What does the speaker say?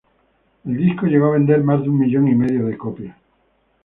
El disco llegó a vender más de un millón y medio de copias.